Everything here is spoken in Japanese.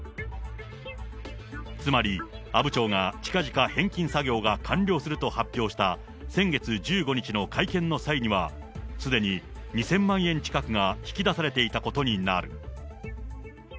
つまり、阿武町がちかぢか返金作業が完了すると発表した先月１５日の会見の際には、すでに２０００万円近くが引き出されていたことになる。